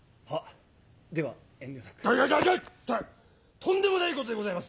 とんでもないことでございます！